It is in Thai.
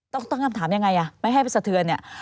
ต้องต้องการถามยังไงไม่ให้ไปสะเทือน